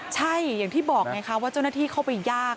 ใช่อย่างที่บอกไงคะว่าเจ้าหน้าที่เข้าไปยาก